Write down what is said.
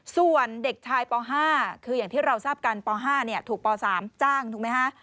ส่วนเด็กชายป๕คืออย่างที่เราทราบกันป๕ถูกป๓จ้างถูกไหมฮะ